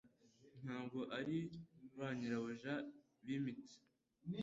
Ntabwo ari ba nyirabuja b'imitsi